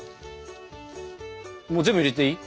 もう全部入れていい？